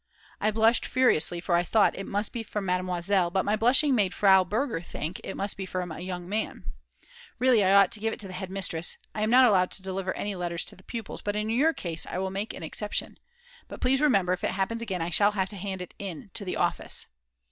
I blushed furiously, for I thought, it must be from Mademoiselle, but my blushing made Frau Berger think it must be from a young man: "Really I ought to give it to the head mistress; I am not allowed to deliver any letters to the pupils, but in your case I will make an exception. But please remember if it happens again I shall have to hand it in to the office."